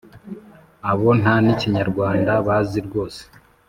abo nta n’ikinyarwanda bazi rwose!